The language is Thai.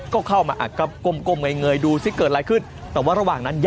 ก็เข้ามาอัดก็ก้มเงยดูซิเกิดอะไรขึ้นแต่ว่าระหว่างนั้น